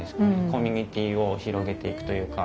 コミュニティーを広げていくというか。